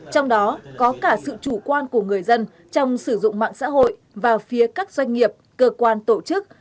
trong đó có cả sự chủ quan của người dân trong sử dụng mạng xã hội và phía các doanh nghiệp cơ quan tổ chức